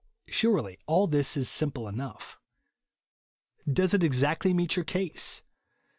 Surely all this is simple enough. Does it exactly meet your case.